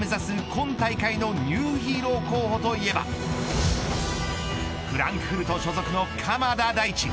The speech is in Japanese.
今大会のニューヒーロー候補といえばフランクフルト所属の鎌田大地。